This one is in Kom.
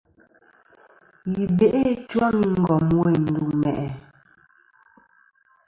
Yi be'i ɨchwaŋ i ngom weyn ndu mà'i.